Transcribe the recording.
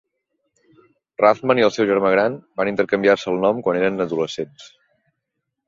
Rathmann i el seu germà gran van intercanviar-se el nom quan eren adolescents